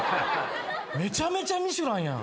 めちゃめちゃ『ミシュラン』やん。